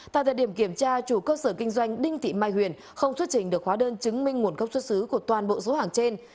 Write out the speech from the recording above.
tại thời điểm kiểm tra chủ cơ sở kinh doanh đinh thị mai huyền không xuất trình được khóa đơn chứng minh nguồn gốc xuất xứ của toàn bộ số hàng trên